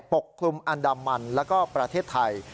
กลุ่มอันดามันแล้วก็ประเทศไทย